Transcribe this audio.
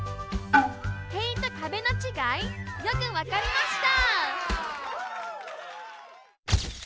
塀と壁のちがいよくわかりました！